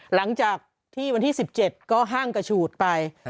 หลังจากที่วันที่๑๗ก็ห้างกระฉูดไป